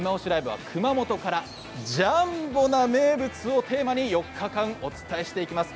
ＬＩＶＥ」は熊本からジャンボな名物をテーマに４日間お伝えしていきます。